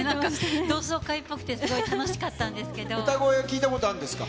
同窓会っぽくて、すごい楽しかっ歌声聴いたことあるんですか？